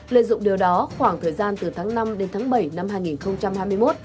lợi dụng điều đó khoảng thời gian từ tháng năm đến tháng bảy năm hai nghìn hai mươi một